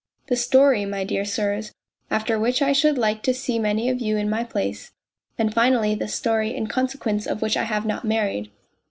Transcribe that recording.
" The story, my dear sirs, after which I should like to see many of you in my place. And, finally, the story, in consequence of which I have not married."